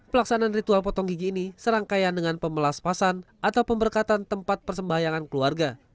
pelaksanaan ritual potong gigi ini serangkaian dengan pemelas pasan atau pemberkatan tempat persembahyangan keluarga